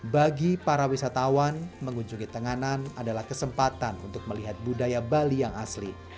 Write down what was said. bagi para wisatawan mengunjungi tenganan adalah kesempatan untuk melihat budaya bali yang asli